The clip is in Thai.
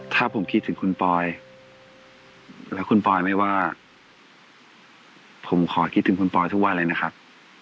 ถ้าผมคิดถึงคุณปอยแล้วคุณปอยไม่ว่าผมขอคิดถึงคุณปอยทุกวันเลยนะครับ